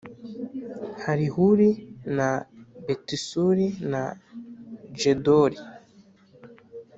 Halihuli na Betisuri na Gedori